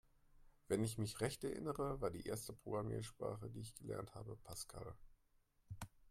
Wenn ich mich recht erinnere, war die erste Programmiersprache, die ich gelernt habe, Pascal.